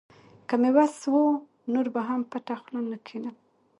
که مې وس و، نور به هم پټه خوله نه کښېنم.